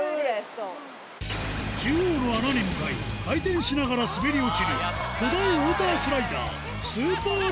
中央の穴に向かい回転しながら滑り落ちる巨大ウォータースライダー